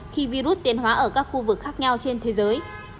khi virus tiến hóa ở các khu vực khác nhau trên thế giới